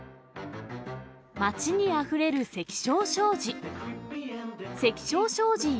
街にあふれる関彰商事。